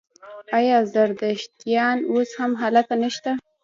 آیا زردشتیان اوس هم هلته نشته؟